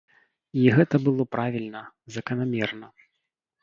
І гэта было правільна, заканамерна.